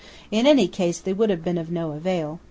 In any case they would have been of no avail.